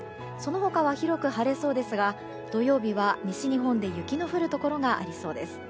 その他は広く晴れそうですが土曜日は、西日本で雪の降るところがありそうです。